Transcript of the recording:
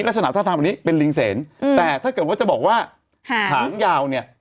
ลักษณะท่าทางแบบนี้เป็นลิงเสนแต่ถ้าเกิดว่าจะบอกว่าหางยาวเนี่ย